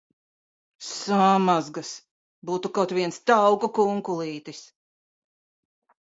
Samazgas! Būtu kaut viens tauku kunkulītis!